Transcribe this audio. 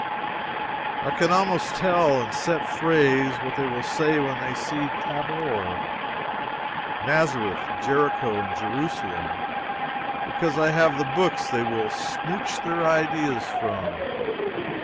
I can almost tell, in set phrase, what they will say when they see Tabor, Nazareth, Jericho and Jerusalem because I have the books they will "smouch" their ideas from.